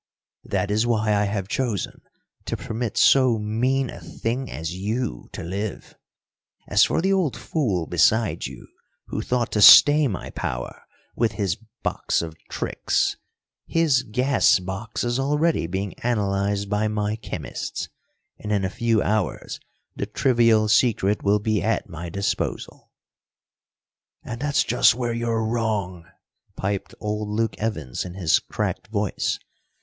"That is why I have chosen, to permit so mean a thing as you to live. As for the old fool beside you, who thought to stay my power with his box of tricks his gas box is already being analyzed by my chemists, and in a few hours the trivial secret will be at my disposal." "And that's just where you're wrong," piped old Luke Evans in his cracked voice.